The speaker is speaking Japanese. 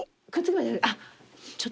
あっ。